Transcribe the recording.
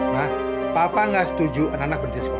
mah papa gak setuju anak anak berhenti sekolah